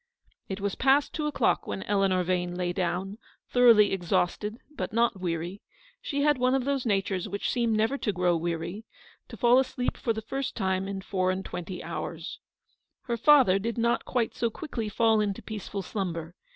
It was past two o'clock when Eleanor Vane lay down, thoroughly exhausted, but not weary — she had one of those natures which seem never to THE ENTRESOL IN THE RUE DE I/aRCHEVEQUE. 39 grow weary — to fall asleep for the first time in four and twenty hours. Her father did not quite so quickly fall into a peaceful slumber.